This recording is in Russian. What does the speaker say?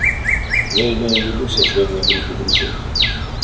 Я имею в виду создание группы друзей.